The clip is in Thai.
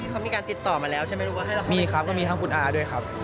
เขามีการติดต่อมาแล้วใช่ไหมลูกก็ให้เรามีครับก็มีทั้งคุณอาด้วยครับ